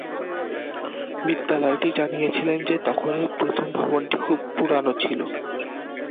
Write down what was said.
বিদ্যালয়টি জানিয়েছিল যে তখন এর প্রথম ভবনটি "খুব পুরানো" ছিল।